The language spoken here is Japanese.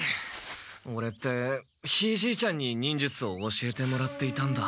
オレってひいじいちゃんに忍術を教えてもらっていたんだ。